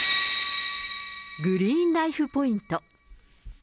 グリーンライフ・ポイント。